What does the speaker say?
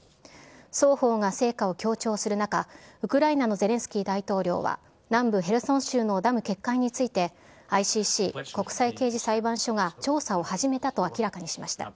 双方が成果を強調する中、ウクライナのゼレンスキー大統領は、南部ヘルソン州のダム決壊について、ＩＣＣ・国際刑事裁判所が調査を始めたと明らかにしました。